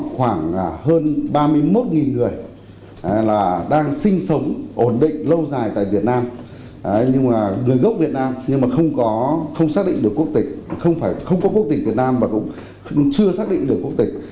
khoảng hơn ba mươi một người đang sinh sống ổn định lâu dài tại việt nam người gốc việt nam nhưng không xác định được quốc tịch không có quốc tịch việt nam và cũng chưa xác định được quốc tịch